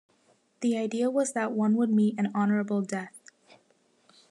The idea was that one would meet an honourable death.